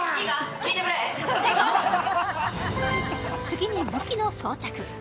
次に武器の装着。